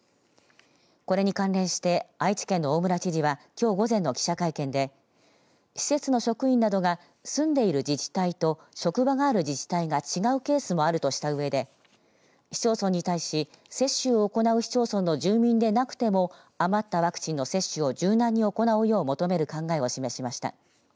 これに関連して愛知県の大村知事はきょう午前の記者会見で施設の職員などが住んでいる自治体と職場がある自治体が違うケースがあるとしたうえで市町村に対し、接種を行う市町村の住民でなくても余ったワクチンの接種を柔軟に行うよう求める考えを示しました。